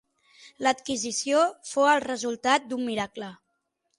L'adquisició fou el resultat d'un miracle.